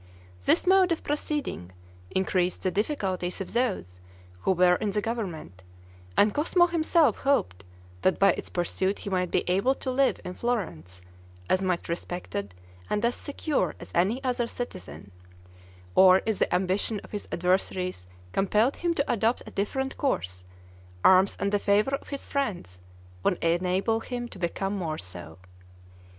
This mode of proceeding increased the difficulties of those who were in the government, and Cosmo himself hoped that by its pursuit he might be able to live in Florence as much respected and as secure as any other citizen; or if the ambition of his adversaries compelled him to adopt a different course, arms and the favor of his friends would enable him to become more so.